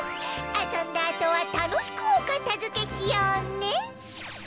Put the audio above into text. あそんだあとはたのしくおかたづけしようね！